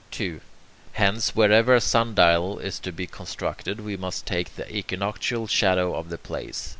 2. Hence, wherever a sundial is to be constructed, we must take the equinoctial shadow of the place.